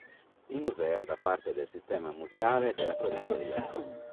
Il museo da parte del Sistema museale della Provincia di Lecco.